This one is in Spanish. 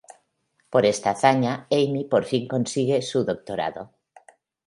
Por esta hazaña Amy por fin consigue su doctorado.